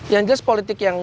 yang jelas politik yang